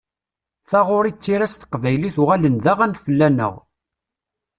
Taɣuri d tira s teqbaylit uɣalen d aɣan fell-aneɣ.